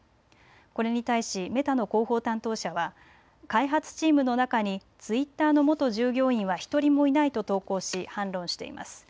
これに対しメタの広報担当者は開発チームの中にツイッターの元従業員は１人もいないと投稿し反論しています。